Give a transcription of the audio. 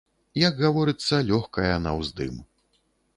Як гаворыцца, лёгкая на ўздым.